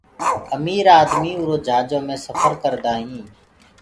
امير آدمي اُرآ جھآجو مي سڦر ڪرآ هينٚ۔